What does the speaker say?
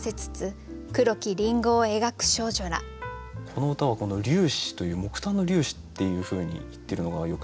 この歌はこの「粒子」という「木炭の粒子」っていうふうに言ってるのがよくて。